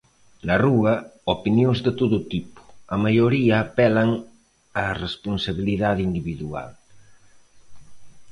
Na rúa, opinións de todo tipo, a maioría apelan a responsabilidade individual.